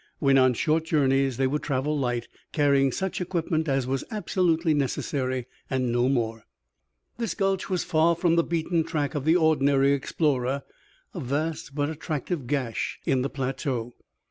When on short journeys they would travel light, carrying such equipment as was absolutely necessary, and no more. This gulch was far from the beaten track of the ordinary explorer, a vast but attractive gash in the plateau.